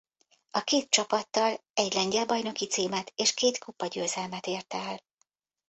A két csapattal egy lengyel bajnoki címet és két kupagyőzelmet ért el.